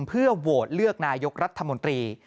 เพื่อโหวตเลือกนายกรัฐมนตรี